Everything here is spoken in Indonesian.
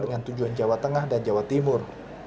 dengan tujuan jawa tengah dan jawa timur